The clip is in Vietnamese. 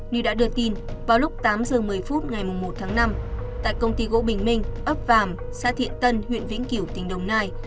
như đã đưa tin vào lúc tám giờ một mươi phút ngày một tháng năm tại công ty gỗ bình minh ấp vàm xã thiện tân huyện vĩnh kiểu tỉnh đồng nai